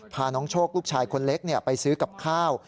พาน้องโชคลูกชายคนเล็กไปซื้อกับข้าว